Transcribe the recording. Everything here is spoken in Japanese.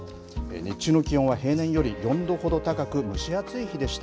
日中の気温は平年より４度ほど高く、蒸し暑い日でした。